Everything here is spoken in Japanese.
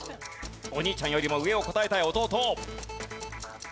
お兄ちゃんよりも上を答えたい弟。